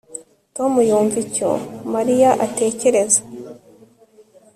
Tom yumva icyo Mariya atekereza